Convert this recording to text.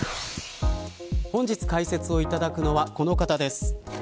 本日、解説をいただくのはこの方です。